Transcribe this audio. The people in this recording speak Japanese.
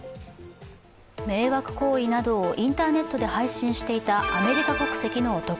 迷惑行為などをインターネットで配信していたアメリカ国籍の男。